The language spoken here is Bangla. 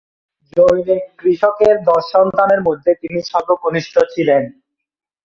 জনৈক কৃষকের দশ সন্তানের মধ্যে তিনি সর্বকনিষ্ঠ ছিলেন।